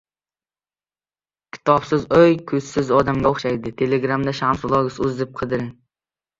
• Kitobsiz uy ko‘zsiz odamga o‘xshaydi.